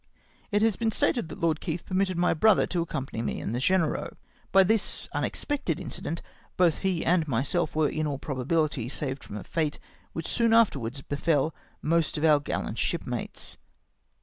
It has been stated that Lord Keith permitted my brother to accompany me in the Genei^eux. By this unexpected incident both he and myself were, m all probability, saved from a fete which soon afterwards befel most of our gaUant shipmates.